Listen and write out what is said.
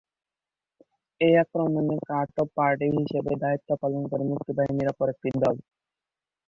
এই আক্রমণে cut off party হিসেবে দায়িত্ব পালন করে মুক্তিবাহিনীর অপর একটি দল।